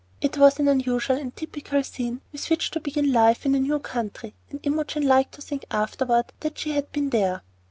It was an unusual and typical scene with which to begin life in a new country, and Imogen liked to think afterward that she had been there.